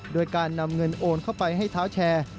โดยการนำเงินโอนเข้าไปให้เท้าแชร์